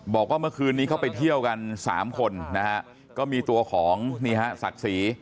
บอกว่าเมื่อคืนนี้เขาไปเที่ยวกัน๓คนนะฮะก็มีตัวของนี่ฮะศักดิ์ศรี